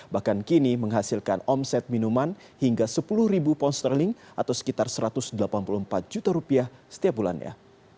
bahkan kini menghasilkan omset minuman hingga sepuluh ribu pound sterling atau sekitar satu ratus delapan puluh empat juta rupiah setiap bulannya